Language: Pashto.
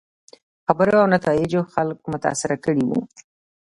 خبرو او نتایجو خلک متاثره کړي وو.